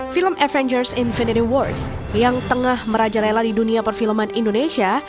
film avengers infinity wars yang tengah merajalela di dunia perfilman indonesia